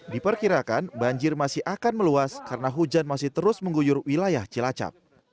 diperkirakan banjir masih akan meluas karena hujan masih terus mengguyur wilayah cilacap